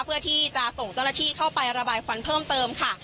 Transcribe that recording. เพื่อที่จะส่งเจ้าหน้าที่เข้าไประบายควันเพิ่มเติมค่ะ